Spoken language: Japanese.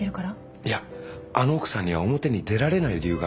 いやあの奥さんには表に出られない理由があるんです。